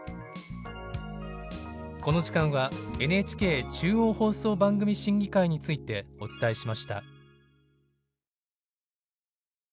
この時間はＮＨＫ中央放送番組審議会についてお伝えしました。